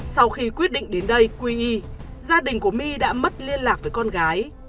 sau khi quyết định đến đây quy y gia đình của my đã mất liên lạc với con gái